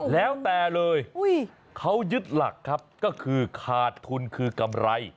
แล้วแต่เลยเขายึดหลักครับก็คือขาดทุนคือกำไร